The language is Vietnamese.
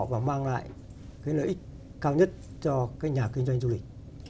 và mang lại cái lợi ích cao nhất cho cái nhà kinh doanh du lịch